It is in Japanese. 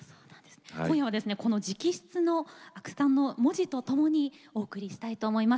今夜はこの直筆の阿久さんの文字とともにお送りしたいと思います。